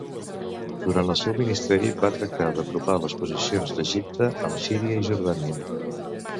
Durant el seu ministeri va tractar d'apropar les posicions d'Egipte amb Síria i Jordània.